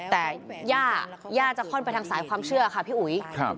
แต่ย่าย่าจะค่อนไปทางสายความเชื่อค่ะพี่อุ๋ย